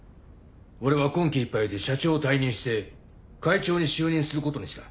俺は今期いっぱいで社長を退任して会長に就任することにした。